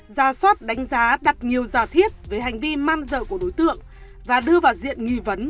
ra soát đánh giá đặt nhiều giả thiết về hành vi man dợ của đối tượng và đưa vào diện nghi vấn